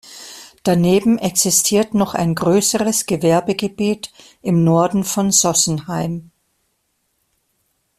Daneben existiert noch ein größeres Gewerbegebiet im Norden von Sossenheim.